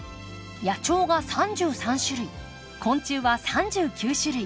野鳥が３３種類昆虫は３９種類。